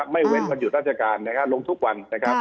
ไม่เว้นวันอยู่ราชการลงทุกวัน